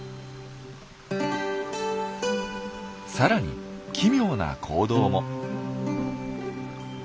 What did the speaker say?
さらに奇妙な行動も。